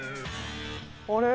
あれ？